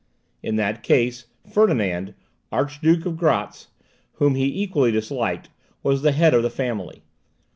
In that case, Ferdinand, Archduke of Graetz, whom he equally disliked, was the head of the family.